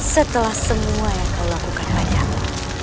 setelah semua yang kau lakukan hanyamu